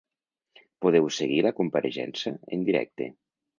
Podeu seguir la compareixença en directe.